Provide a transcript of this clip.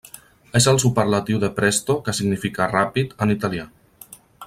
És el superlatiu de presto que significa 'ràpid' en italià.